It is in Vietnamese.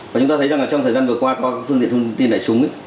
và chúng ta thấy rằng trong thời gian vừa qua có phương diện thông tin lại xuống